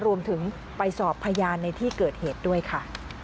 รวมถึงไปสอบพยานในที่เกิดเหตุด้วยค่ะ